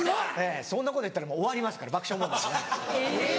そんなことやったらもう終わりますから爆笑問題。